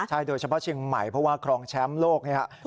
ใช่โดยเฉพาะเชียงใหม่เพราะว่าครองแชมป์โลกเนี่ย